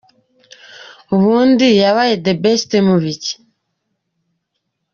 Ubundi yabaye The Best mu biki?.